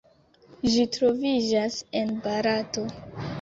Ĝi troviĝas en Barato.